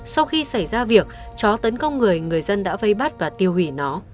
sau khi xảy ra việc chó tấn công người người dân đã vây bắt và tiêu hủy nó